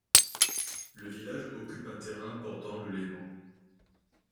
Le village occupe un terrain bordant le Léman.